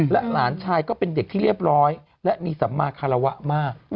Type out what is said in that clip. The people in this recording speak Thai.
หลานชายก็เป็นเด็กที่เรียบร้อยและมีสัมมาคารวะมาก